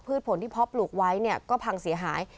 ผลที่เพาะปลูกไว้เนี่ยก็พังเสียหาย